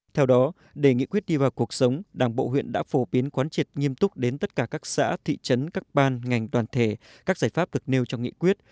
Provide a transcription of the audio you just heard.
theo đó để nghị quyết đi vào cuộc sống đảng bộ huyện đã phổ biến quán triệt nghiêm túc đến tất cả các xã thị trấn các ban ngành đoàn thể các giải pháp được nêu trong nghị quyết